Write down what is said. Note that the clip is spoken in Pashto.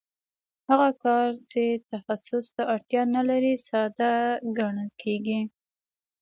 هغه کار چې تخصص ته اړتیا نلري ساده ګڼل کېږي